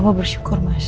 kamu bersyukur mas